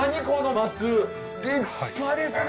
立派ですね！